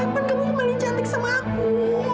kenapa kamu kembali cantik sama aku